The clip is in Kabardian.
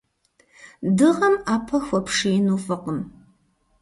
Дыгъэм ӏэпэ хуэпшиину фӏыкъым.